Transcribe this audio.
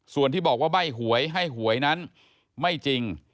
ส่วนที่บอกว่าใบ้หวยให้หวยนั้นไม่จริง